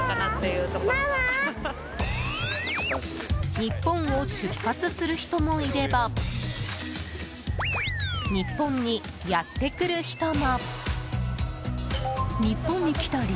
日本を出発する人もいれば日本にやってくる人も。